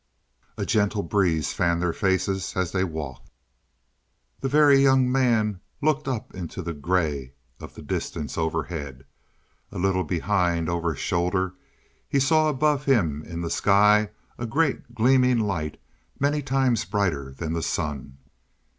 A gentle breeze fanned their faces as they walked. The Very Young Man looked up into the gray of the distance overhead. A little behind, over his shoulder he saw above him in the sky a great, gleaming light many times bigger than the sun.